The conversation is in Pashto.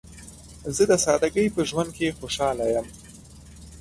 زه د سادګۍ په ژوند کې خوشحاله یم.